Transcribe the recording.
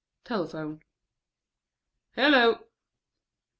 Telephone: ("Hello.")